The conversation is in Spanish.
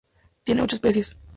Tiene ocho especies.